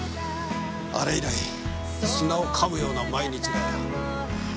あれ以来砂を噛むような毎日だよ。